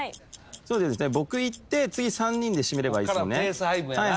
僕いって次３人で締めればいいっすもんね。